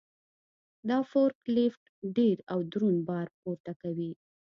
دا فورک لیفټ ډېر او دروند بار پورته کوي.